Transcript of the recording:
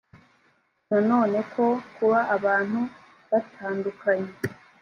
nanone ko kuba abantu badatunganye